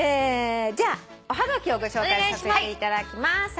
じゃあおはがきをご紹介させていただきます。